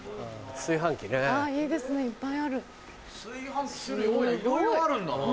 炊飯器すごいないろいろあるんだな。